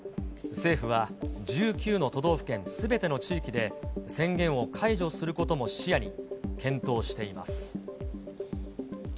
政府は１９の都道府県すべての地域で、宣言を解除することも視野に検討しています。